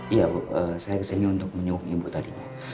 iya saya kesini untuk menyokong ibu tadinya